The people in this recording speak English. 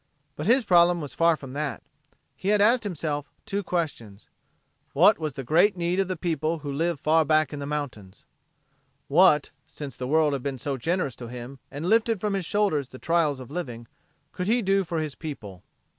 But his problem was far from that. He had asked himself two questions: "What was the great need of the people who live far back in the mountains?" "What since the world had been so generous to him, and lifted from his shoulders the trials of living could he do for his people?"